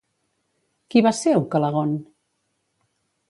Qui va ser Ucalegont?